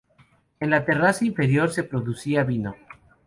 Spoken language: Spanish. En la terraza inferior se producía vino.